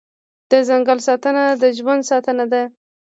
د ځنګل ساتنه د ژوند ساتنه ده